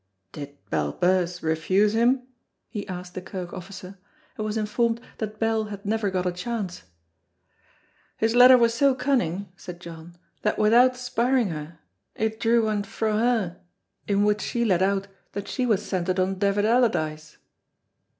"Did Bell Birse refuse him?" he asked the kirk officer, and was informed that Bell had never got a chance. "His letter was so cunning," said John, "that without speiring her, it drew ane frae her in which she let out that she was centred on Davit Allardyce."